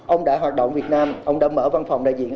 ông đã hoạt động việt nam ông đã mở văn phòng đại diện